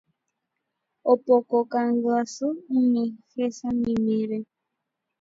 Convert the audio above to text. opoko kangy asy umi hesamimíre